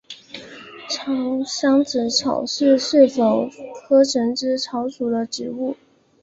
藏蝇子草是石竹科蝇子草属的植物。